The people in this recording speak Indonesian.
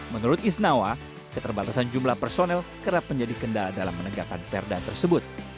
menurut isnawa keterbatasan jumlah personel kerap menjadi kendala dalam menegakkan perda tersebut